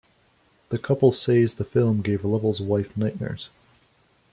The couple says the film gave Lovell's wife nightmares.